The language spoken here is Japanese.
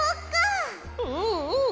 うんうん。